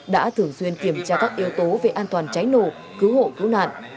đã thường xuyên kiểm tra các yếu tố về an toàn cháy nổ cứu hộ cứu nạn